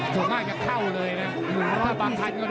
ทำมาจังหวะ